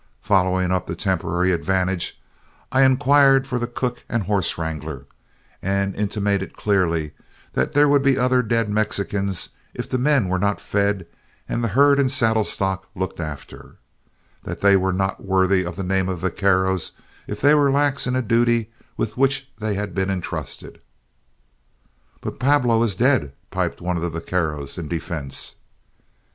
Following up the temporary advantage, I inquired for the cook and horse wrangler, and intimated clearly that there would be other dead Mexicans if the men were not fed and the herd and saddle stock looked after; that they were not worthy of the name of vaqueros if they were lax in a duty with which they had been intrusted. "But Pablo is dead," piped one of the vaqueros in defense.